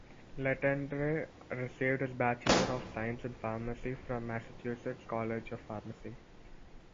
Letendre received his Bachelor of Science in Pharmacy from the Massachusetts College of Pharmacy.